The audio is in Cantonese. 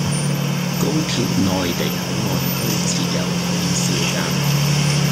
高鐵內地口岸區設有通宵更